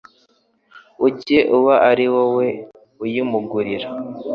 ujye uba ari wowe uyimugurira.